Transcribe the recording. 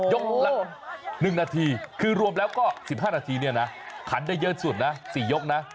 ละ๑นาทีคือรวมแล้วก็๑๕นาทีเนี่ยนะขันได้เยอะสุดนะ๔ยกนะ